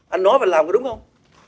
anh nói và làm là đúng không